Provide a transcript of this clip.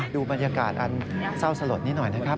ดูบรรยากาศอันเศร้าสลดนิดหน่อยนะครับ